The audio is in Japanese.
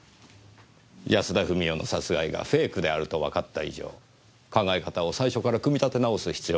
安田富美代の殺害がフェイクであるとわかった以上考え方を最初から組み立て直す必要があります。